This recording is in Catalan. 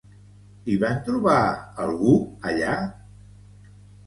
Hi van trobar algú allà?